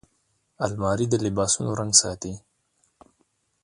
الماري د لباسونو رنګ ساتي